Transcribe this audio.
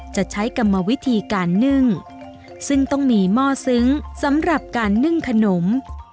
จะใช้กรรมวิธีการนึ่งซึ่งต้องมีหม้อซึ้งสำหรับการนึ่งขนม